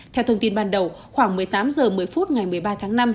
theo thông tin ban đầu khoảng một mươi tám h một mươi phút ngày một mươi ba tháng năm